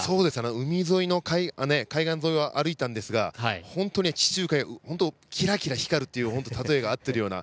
海沿いの海岸沿いを歩いたんですが本当に、地中海、キラキラ光るっていうたとえが合っているような。